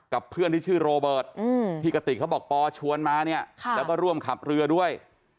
เพื่อนที่ชื่อโรเบิร์ตที่กระติกเขาบอกปอชวนมาเนี่ยแล้วก็ร่วมขับเรือด้วย